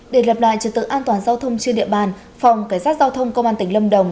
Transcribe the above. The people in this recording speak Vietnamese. để lập đài trật tự an toàn giao thông trên địa bàn phòng cảnh sát giao thông công an tỉnh lâm đồng